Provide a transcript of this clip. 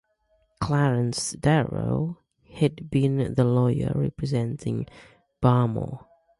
Clarence Darrow had been the lawyer representing Barmore.